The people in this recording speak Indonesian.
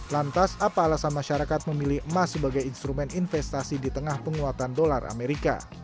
lantas apa alasan masyarakat memilih emas sebagai instrumen investasi di tengah penguatan dolar amerika